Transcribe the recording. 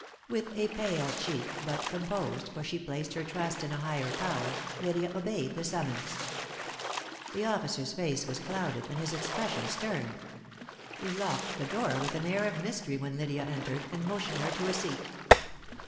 With a pale cheek, but composed, for she placed her trust in a higher Power, Lydia obeyed the summons. The officer's face was clouded, and his expression stern. He locked the door with an air of mystery when Lydia entered, and motioned her to a seat.